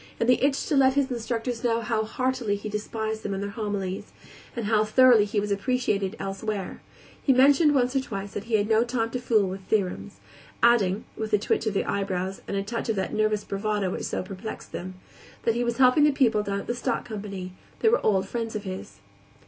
In the itch to let his instructors know how heartily he despised them and their homilies, and how thoroughly he was appreciated elsewhere, he mentioned once or twice that he had no time to fool with theorems; adding with a twitch of the eyebrows and a touch of that nervous bravado which so perplexed them that he was helping the people down at the stock company; they were old friends of his.